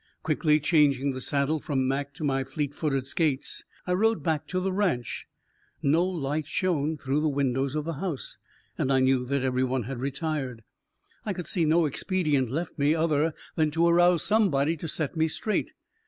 Quickly changing the saddle from Mac to my fleet footed Skates, I rode back to the ranch. No light shone through the windows of the house, and I knew that every one had retired. I could see no expedient left me other than to arouse somebody to set me straight.